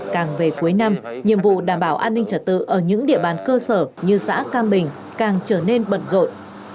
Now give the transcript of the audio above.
càng về cuối năm nhiệm vụ đảm bảo an ninh trật tự ở những địa bàn cơ sở như xã cam bình càng trở nên bận rộn